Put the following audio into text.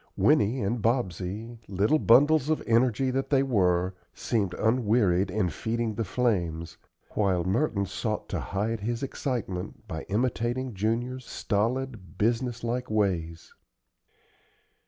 Winnie and Bobsey, little bundles of energy that they were, seemed unwearied in feeding the flames, while Merton sought to hide his excitement by imitating Junior's stolid, business like ways.